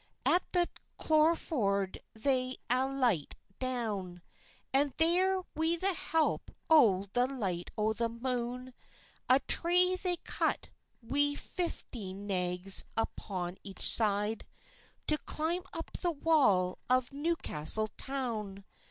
At the Cholerford they a' light down, And there, wi the help o the light o the moon, A tree they cut, wi fifteen naggs upon each side, To climb up the wall of Newcastle toun.